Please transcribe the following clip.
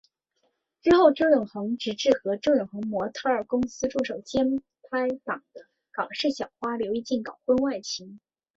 之后周永恒直认和周永恒模特儿公司助手兼拍档的港视小花刘依静搞婚外情。